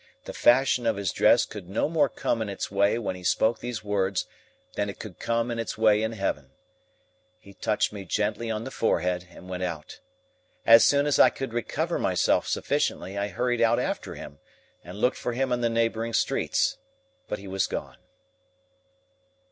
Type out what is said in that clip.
The fashion of his dress could no more come in its way when he spoke these words than it could come in its way in Heaven. He touched me gently on the forehead, and went out. As soon as I could recover myself sufficiently, I hurried out after him and looked for him in the neighbouring streets; but he was gone.